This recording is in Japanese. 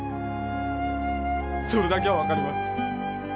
それだけは分かります